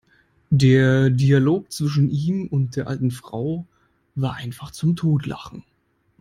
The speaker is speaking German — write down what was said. Der Dialog zwischen ihm und der alten Frau war einfach zum Totlachen!